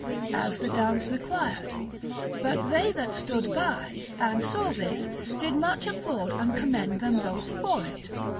as the dance required; but they that stood by, and saw this, did much applaud and commend them both for it.